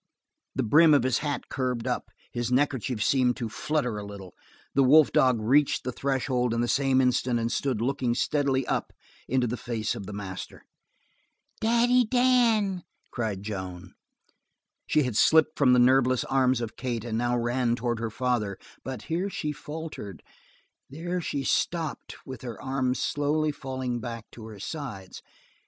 The brim of his hat curved up, his neckerchief seemed to flutter a little. The wolf dog reached the threshold in the same instant and stood looking steadily up into the face of the master. "Daddy Dan!" cried Joan. She had slipped from the nerveless arms of Kate and now ran towards her father, but here she faltered, there she stopped with her arms slowly falling back to her sides.